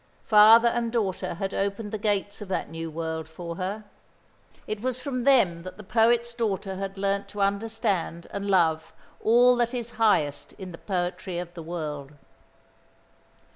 Father and daughter had opened the gates of that new world for her. It was from them that the poet's daughter had learnt to understand and love all that is highest in the poetry of the world.